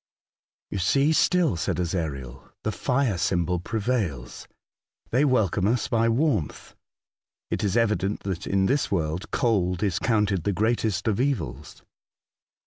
"You see, still," said Ezariel, "the fire, symbol prevails. They welcome us by warmth. It is evident that in this world cold is counted the greatest of evils."